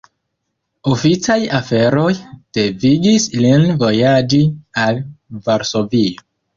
Oficaj aferoj devigis lin vojaĝi al Varsovio.